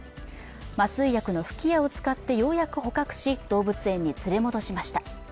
麻酔薬の吹き矢を使ってようやく捕獲し動物園に連れ戻しました。